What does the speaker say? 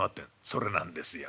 「それなんですよ。